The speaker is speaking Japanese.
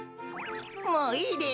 もういいです。